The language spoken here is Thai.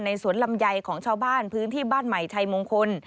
สวนลำไยของชาวบ้านพื้นที่บ้านใหม่ชัยมงคล